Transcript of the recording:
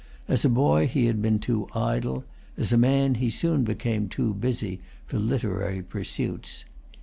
As a boy he had been too idle, as a man he soon became too busy, for literary pursuits.